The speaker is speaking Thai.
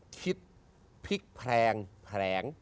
คิดพริกแพรงแผลง